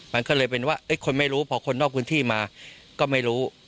มันก็เลยเป็นว่าคนไม่รู้พอคนนอกพื้นที่มาก็ไม่รู้